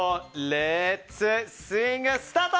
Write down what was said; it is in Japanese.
レッツ・スイング、スタート！